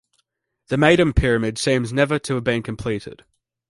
The Meidum Pyramid seems never to have been completed.